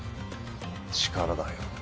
力だよ。